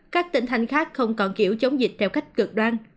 các tỉnh thành khác không còn kiểu chống dịch theo cách cực đoan